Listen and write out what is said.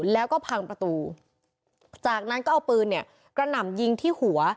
แล้วก็พังประตูจากนั้นก็เอาปืนเนี่ยกระหน่ำยิงที่หัว